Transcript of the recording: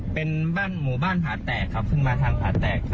เป็นบ้านหมู่บ้านผาแตกครับขึ้นมาทางผาแตกครับ